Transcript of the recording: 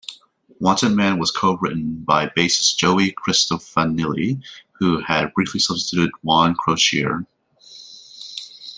"Wanted Man" was co-written by bassist Joey Cristofanilli, who had briefly substituted Juan Croucier.